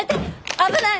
危ない！